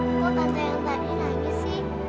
mah kok tante yang tadi lagi sih